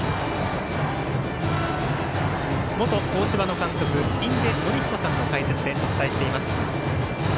元東芝の監督印出順彦さんの解説でお伝えしています。